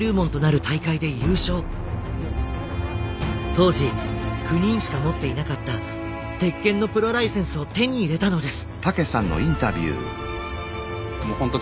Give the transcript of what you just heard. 当時９人しか持っていなかった「鉄拳」のプロライセンスを手に入れたのです。